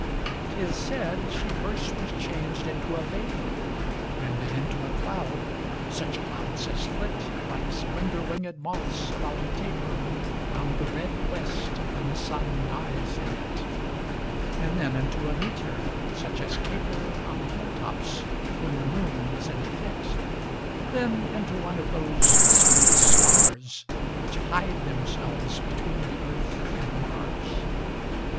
Ill 'Tis said, she first was changed into a va por. And then into a cloud, such clouds as flit, Like splendor winged moths aJbout a taper, Round the red west when the sun dies in it; And then into a meteor, such as caper On hill tops when the moon is in a fit; Then, into one of those mysterious stars Which hide themselves between the Earth and Mars.